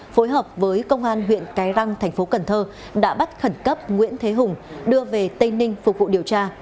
phối hợp với công an huyện cái răng tp hcm đã bắt khẩn cấp nguyễn thế hùng đưa về tây ninh phục vụ điều tra